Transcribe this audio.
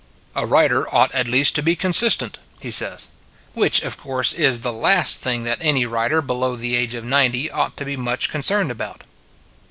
" A writer ought at least to be consist ent," he says. Which, of course, is the last thing that any writer below the age of ninety < ought to be too much con cerned about.